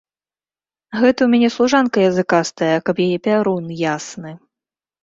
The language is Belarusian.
Гэта ў мяне служанка языкастая, каб яе пярун ясны!